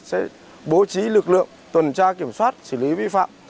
sẽ bố trí lực lượng tuần tra kiểm soát xử lý vi phạm